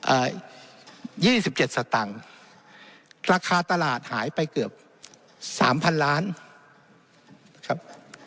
เอ่อยี่สิบเจ็ดสตางค์ราคาตลาดหายไปเกือบสามพันล้านครับ